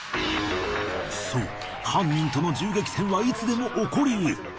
そう犯人との銃撃戦はいつでも起こりうる。